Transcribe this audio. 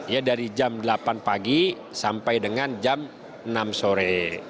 ya dari jam delapan pagi sampai dengan jam enam sore